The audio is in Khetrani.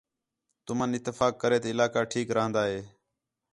تُمن اتفاق کریت علاقہ ٹھیک راہن٘دا ہے